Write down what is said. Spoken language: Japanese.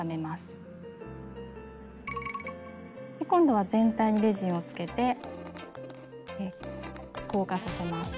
今度は全体にレジンをつけて硬化させます。